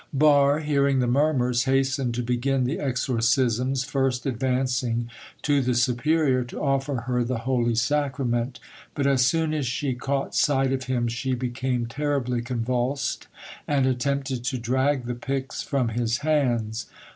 Barre hearing the murmurs, hastened to begin the exorcisms, first advancing to the superior to offer her the holy sacrament: but as soon as she caught sight of him she became terribly convulsed, and attempted to drag the pyx from his hands.